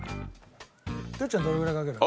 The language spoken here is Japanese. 哲ちゃんどれぐらいかけるの？